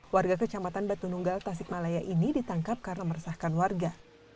warga kecamatan batu nunggal tasikmalaya ini ditangkap karena meresahkan warga